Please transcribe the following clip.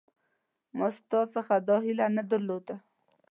ما ستا څخه دا هیله نه درلوده